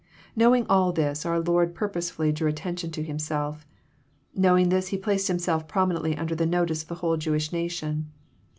Knowing all this, our Lord purposely drew attention to Himself. Knowing this, He placed Himself promi nently under the notice of the whole Jewish nation.